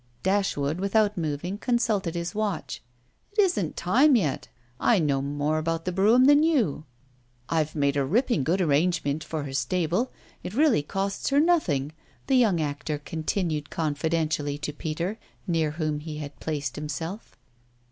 Dashwood, without moving, consulted his watch. "It isn't time yet I know more about the brougham than you. I've made a ripping good arrangement for her stable it really costs her nothing," the young actor continued confidentially to Peter, near whom he had placed himself.